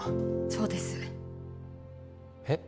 そうですえっ？